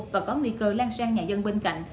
và có nguy cơ lan sang nhà dân bên cạnh